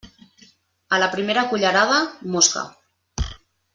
A la primera cullerada, mosca.